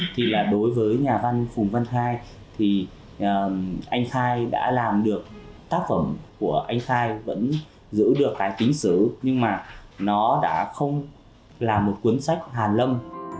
thì là đối với nhà văn phùng văn khai thì anh khai đã làm được tác phẩm của anh khai vẫn giữ được cái tính sử nhưng mà nó đã không là một cuốn sách hàn lâm